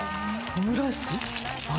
オムライス？